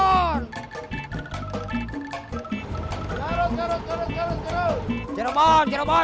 garut garut garut garut